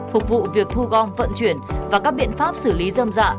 phục vụ việc thu gom vận chuyển và các biện pháp xử lý dâm dạ